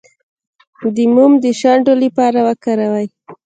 د موم د شونډو لپاره وکاروئ